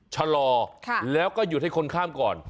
ชะลอแล้วก็หยุดให้คนข้ามก่อน